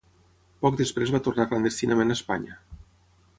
Poc després va tornar clandestinament a Espanya.